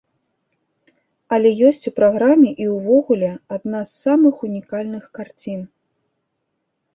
Але ёсць у праграме і ўвогуле адна з самых унікальных карцін.